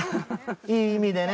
いい意味でね